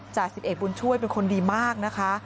จ่าย๑๑บุญช่วยเป็นคนดีมากนะคะ